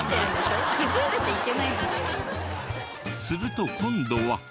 すると今度は。